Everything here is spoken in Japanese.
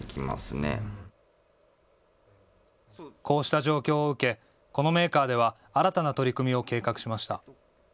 こうした状況を受けこのメーカーでは新たな取り組みを計画しました。